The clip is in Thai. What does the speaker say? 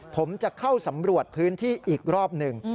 ผมจะเข้าสำรวจพื้นที่อีกรอบหนึ่ง